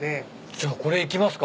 じゃこれいきますか。